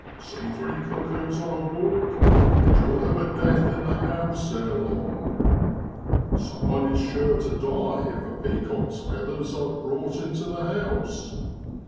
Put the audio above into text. See three cuckoos on a walk, and you'll have a death in the house ere long. Someone is sure to die if peacocks' feathers are brought into the house.